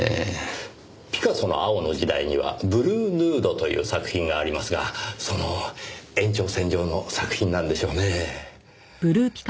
ピカソの青の時代には『ブルーヌード』という作品がありますがその延長線上の作品なんでしょうねぇ。